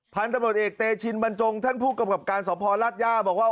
พันธุ์ตำรวจเอกเตชินบรรจงท่านผู้กำกับการสภราชย่าบอกว่า